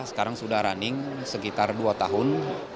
sekarang sudah running sekitar dua tahun